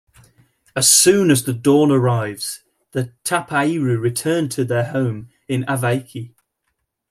As soon as the dawn arrives, the Tapairu returned to their home in Avaiki.